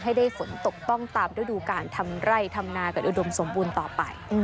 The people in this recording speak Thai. ให้ได้ฝนตกต้องตามฤดูการทำไร่ทำนากันอุดมสมบูรณ์ต่อไป